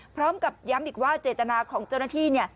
พร้อมกับย้ำอีกว่าเจตนาของเจ้าหน้าที่